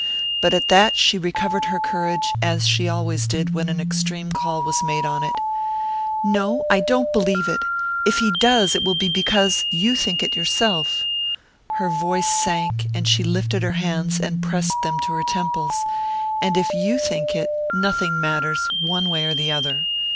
But at that she recovered her courage, as she always did when an extreme call was made on it. "No I don't believe it! If he does, it will be because you think it yourself...." Her voice sank, and she lifted her hands and pressed them to her temples. "And if you think it, nothing matters...one way or the other...."